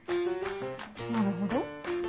なるほど。